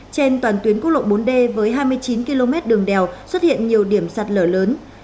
trên toàn tuyến quốc lộ bốn d với hai mươi chín km đường đèo xuất hiện nhiều điểm sạt lở lớn